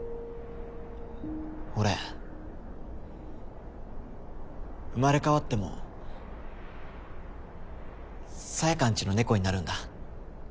俺生まれ変わっても紗也香んちの猫になるんだ。